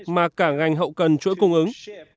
mà cả ngành hậu cần chuỗi cung ứng